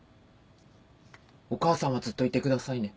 お義母さんはずっといてくださいね。